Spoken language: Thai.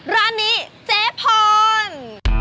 ร้านนี้เจ๊พร